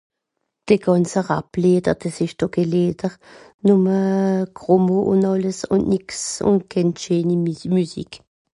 de gànze Rap Leder des esch do ke Leder nòmme gros mots ùn àlles ùn nix ùn kehn scheeni musique